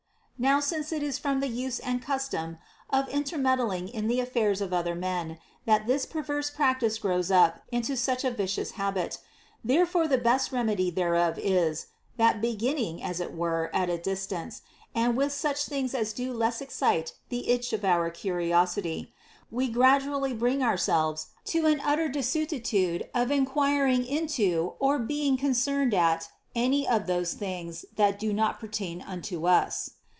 11. Now since it is from the use and custom of inter meddling in the affairs of other men that this perverse practice grows up into such a vicious habit, therefore the best remedy thereof is, that beginning (as it were) at a distance, and with such things as do less excite the itch of our curiosity, we gradually bring ourselves to an utter desuetude of enquiring into or being concerned at any of those things that do not pertain unto us.